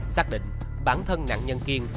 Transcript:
xác định bản thân nạn nhân kiên